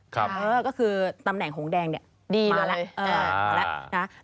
คือตำแหน่งของแดงเนี่ยมาแล้ว